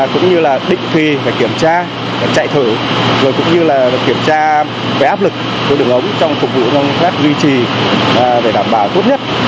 cũng như là định phì kiểm tra chạy thử rồi cũng như là kiểm tra về áp lực của đường ống trong phục vụ